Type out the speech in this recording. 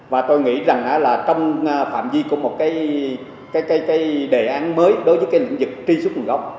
và tôi nghĩ rằng trong phạm di của một đề án mới đối với lĩnh vực tri xuất gốc